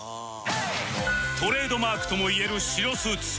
トレードマークともいえる白スーツ